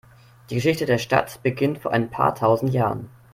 Die Geschichte der Stadt beginnt vor ein paar tausend Jahren.